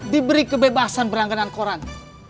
diberi kebebasan berangganan koran